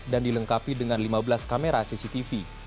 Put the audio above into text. dan dilengkapi dengan lima belas kamera cctv